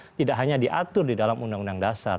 itu tidak hanya diatur di dalam undang undang dasar